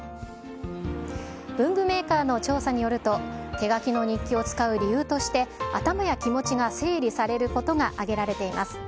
文具メーカーの調査によると、手書きの日記を使う理由として、頭や気持ちが整理されることが挙げられています。